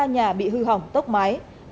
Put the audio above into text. một trăm bốn mươi ba nhà bị hư hỏng tốc mái